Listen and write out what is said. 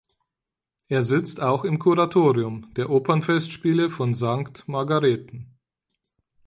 Er sitzt auch im Kuratorium der Opernfestspiele von Sankt Margarethen.